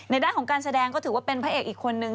ด้านของการแสดงก็ถือว่าเป็นพระเอกอีกคนนึง